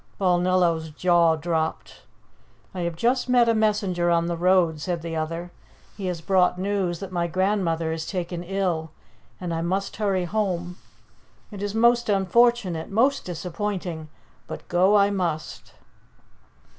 Balnillo's jaw dropped. "I have just met a messenger on the road," said the other; "he has brought news that my grandmother is taken ill, and I must hurry home. It is most unfortunate, most disappointing; but go I must."